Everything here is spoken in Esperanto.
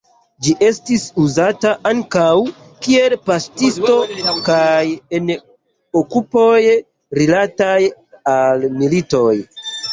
Ĝi estis uzata ankaŭ kiel paŝtisto kaj en okupoj rilataj al militoj.